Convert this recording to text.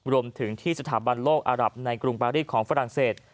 รวมถึงที่สถาบันโลกอารับในกรุงปารีสของฝรั่งเศส